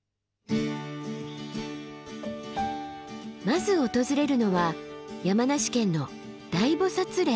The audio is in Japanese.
まず訪れるのは山梨県の大菩嶺。